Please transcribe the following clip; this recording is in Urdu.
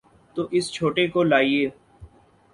تو اس چھوٹے کو لائیے۔